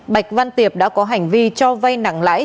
bạch văn tiệp đã có hành vi cho vay nặng lãi